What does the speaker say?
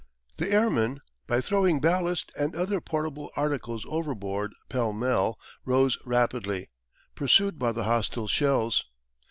The airmen, by throwing ballast and other portable articles overboard pell mell, rose rapidly, pursued by the hostile shells.